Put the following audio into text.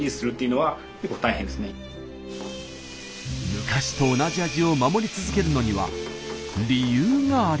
昔と同じ味を守り続けるのには理由がありました。